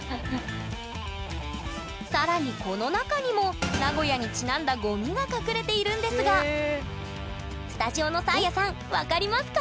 更にこの中にも名古屋にちなんだゴミが隠れているんですがスタジオのサーヤさん分かりますか？